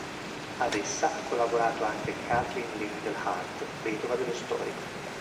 Ad essa ha collaborato anche Kathleen Liddell Hart, vedova dello storico.